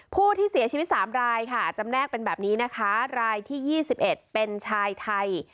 ผู้ที่เสียชีวิต๓รายค่ะจำแนกเป็นแบบนี้นะคะรายที่๒๑เป็นชายไทย